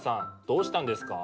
どうしたんですか？